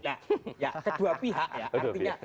nah ya kedua pihak ya